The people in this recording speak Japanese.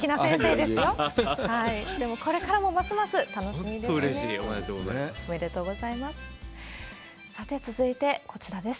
でもこれからもますます楽しみです。